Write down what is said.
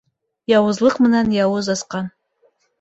Яуызлыҡ менән яуыз асҡан.